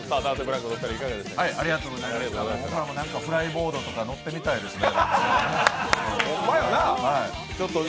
フライボードとか乗ってみたいですよ。